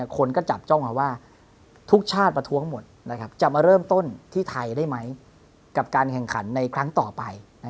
คนก็จับจ้องมาว่าทุกชาติประท้วงหมดจะมาเริ่มต้นที่ไทยได้ไหมกับการแข่งขันในครั้งต่อไป